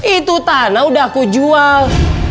itu tanah udah aku jual